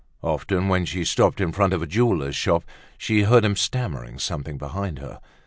Often, when she stopped in front of a jeweler's shop, she heard him stammering something behind her.